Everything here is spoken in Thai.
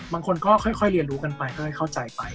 บางคนก็ค่อยเรียนรู้กันไป